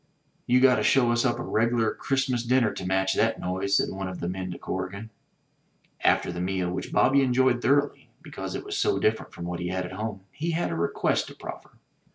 "You got to show us up a regular Christmas dinner to match that noise," said one of the men to Corrigan. After the meal, which Bobby enjoyed thoroughly, because it was so different from what he had at home, he had a request to proffer.